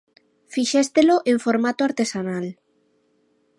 Fixéstelo en formato artesanal.